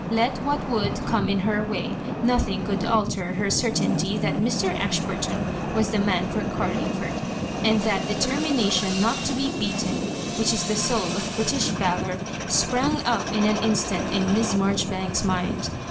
Let what would come in her way, nothing could alter her cer tainty that Mr. Ashburton was the man for Carlingford; and that determmation not to be beaten, which is the soul of British valour, sprang up in an instant in Miss Marjoribanks's mind.